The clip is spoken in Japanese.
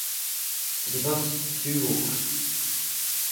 千葉市中央区